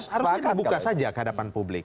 harus kita buka saja ke hadapan publik